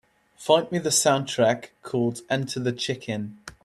Find me the soundtrack called Enter the Chicken